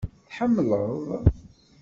Tḥemmleḍ?